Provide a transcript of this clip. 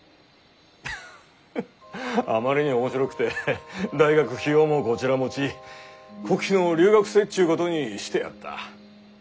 フフッあまりに面白くて大学費用もこちら持ち国費の留学生っちゅうことにしてやった。